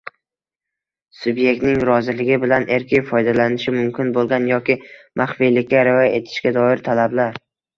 Subyektning roziligi bilan erkin foydalanilishi mumkin bo‘lgan yoki maxfiylikka rioya etishga doir talablar